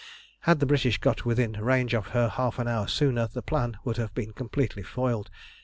Had the British got within range of her half an hour sooner the plan would have been completely foiled.